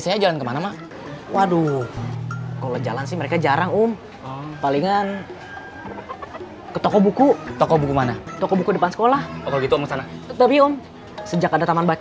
sampai jumpa di video selanjutnya